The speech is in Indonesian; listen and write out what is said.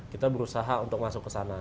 kita berusaha untuk masuk ke sana